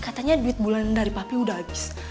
katanya duit bulan dari papi udah habis